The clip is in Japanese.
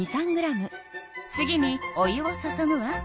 次にお湯を注ぐわ。